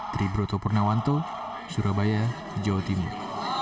dari broto purnawanto surabaya jawa timur